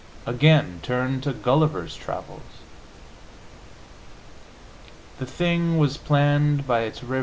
Again, turn to "Gulliver's Travels." The thing was planned by its rev.